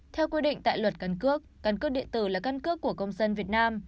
theo quy định tại luật cân cước cân cước điện tử là cân cước của công dân việt nam